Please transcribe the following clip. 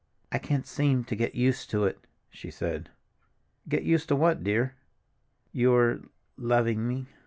"I can't seem to get used to it," she said. "Get used to what, dear?" "Your—loving me."